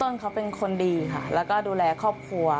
พี่ต้นเป็นคนดีค่ะและก็รูลายครอบครัว